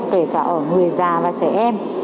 kể cả người già và trẻ em